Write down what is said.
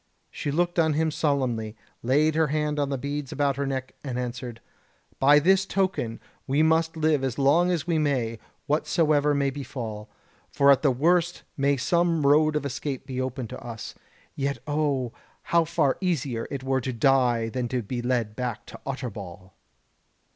She looked on him solemnly, laid her hand on the beads about her neck, and answered: "By this token we must live as long as we may, whatsoever may befall; for at the worst may some road of escape be opened to us. Yet O, how far easier it were to die than to be led back to Utterbol!"